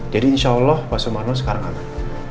jadi insya allah pak sumarno sekarang aman